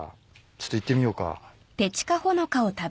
ちょっといってみようか。